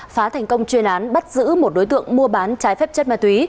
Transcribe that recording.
phá thành công chuyên án bắt giữ một đối tượng mua bán trái phép chất ma túy